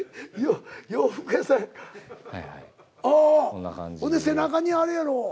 ほんで背中にあれやろ。